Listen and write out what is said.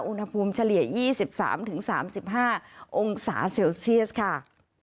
เฉลี่ย๒๓๓๕องศาเซลเซียสค่ะ